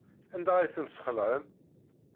Anda ay ten-tesxelɛem?